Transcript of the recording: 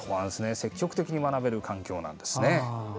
積極的に学べる環境なんです。